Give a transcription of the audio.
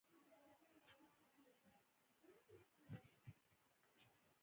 د فاریاب په شیرین تګاب کې د تیلو نښې شته.